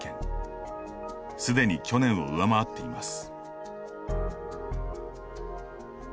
すでに去年を上回っています。